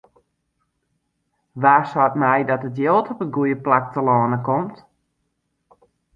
Wa seit my dat it jild op it goede plak telâne komt?